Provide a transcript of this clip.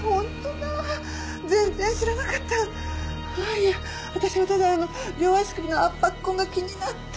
いや私はただ両足首の圧迫痕が気になって。